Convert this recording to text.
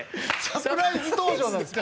サプライズ登場なんです。